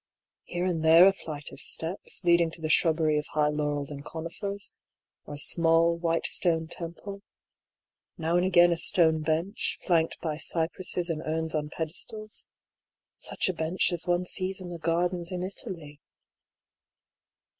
Here and there a flight of steps, leading to the shrubbery of high laurels and conifers, or a small white stone temple ; now and again a stone bench, flanked by cypresses and urns on pedestals — such a bench as one sees in the gardens in Italy.